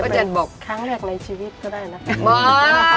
จะบอกครั้งแรกในชีวิตก็ได้นะ